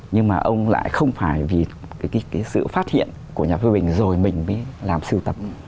nhưng mà ông lại không phải vì cái sự phát hiện của nhà phê bình rồi mình mới làm siêu tập